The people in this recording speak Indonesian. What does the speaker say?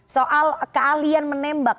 ketika kalian menembak